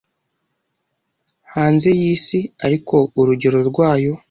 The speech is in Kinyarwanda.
Hanze y'isi, ariko urugero rwayo,